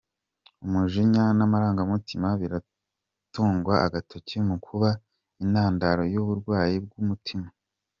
Umujinya n’amarangamutima biratugwa agatoki mukuba intandaro y’uburwayi bw’umutima